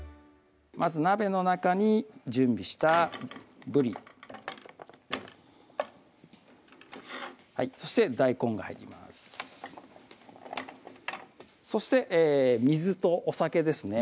まず鍋の中に準備したぶりそして大根が入りますそして水とお酒ですね